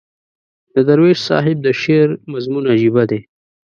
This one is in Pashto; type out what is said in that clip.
د درویش صاحب د شعر مضمون عجیبه دی.